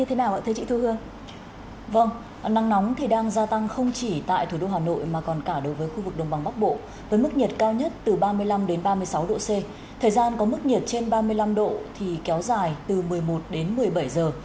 thời gian có mức nhiệt trên ba mươi năm độ thì kéo dài từ một mươi một đến một mươi bảy giờ